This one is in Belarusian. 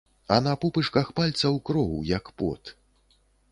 А на пупышках пальцаў кроў, як пот.